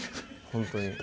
本当に。